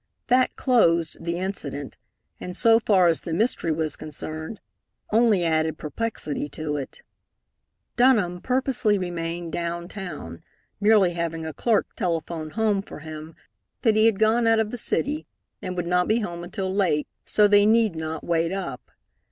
That closed the incident, and, so far as the mystery was concerned, only added perplexity to it. Dunham purposely remained down town, merely having a clerk telephone home for him that he had gone out of the city and would not be home until late, so they need not wait up.